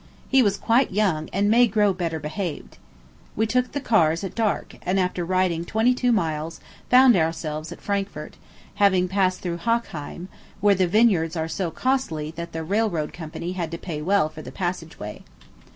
He was quite young, and may grow better behaved. We took the ears at dark, and after riding twenty two miles found ourselves at Frankfort, having passed through Hochheim, where the vineyards are so costly that the railroad company had to pay well for the passage way.